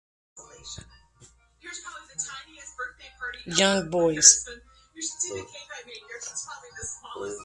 Young Boys